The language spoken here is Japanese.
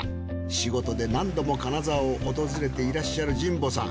仕事で何度も金沢を訪れていらっしゃる神保さん